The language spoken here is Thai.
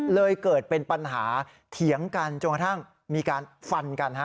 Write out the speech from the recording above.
เลยเกิดเป็นปัญหาเถียงกันจนกระทั่งมีการฟันกันฮะ